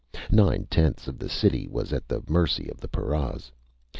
Nine tenths of the city was at the mercy of the paras.